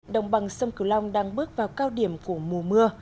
đồng bằng sông cửu long đang bước vào cao điểm của mùa mưa